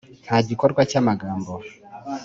nta gikorwa cyamagambo